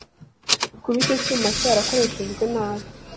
Kuba icyo cyuma cyarakoreshejwe nabi